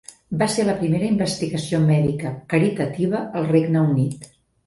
Va ser la primera investigació mèdica caritativa al Regne Unit.